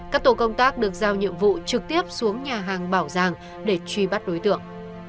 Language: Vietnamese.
các tổ công tác được giao nhiệm vụ trực tiếp xuống nhà hàng bảo giang để truy bắt đối tượng